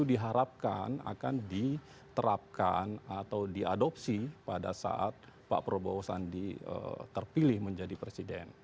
diharapkan akan diterapkan atau diadopsi pada saat pak prabowo sandi terpilih menjadi presiden